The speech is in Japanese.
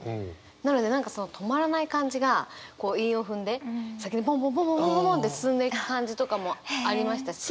なので何かその止まらない感じがこう韻を踏んで先にぽんぽんぽんぽんぽんぽんって進んでいく感じとかもありましたし。